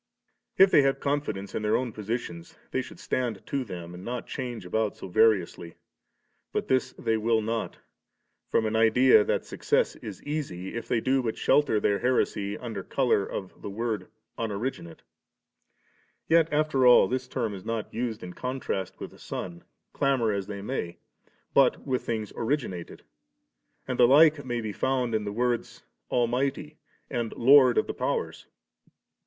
If they have confidence in their own positions, they should stand to them, and not change about so variously »; but this they will not, from an idea that success is easy, if they do but shelter their heresy under colour of the word I unoriginate;' Yet after all, this term is not used in contrast with the Son, clamour as they may, but with things originated ; and the like may ht found in the wordi * Almighty,' and * Lord of the Powers ■.'